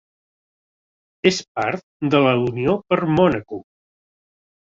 És part de la Unió per Mònaco.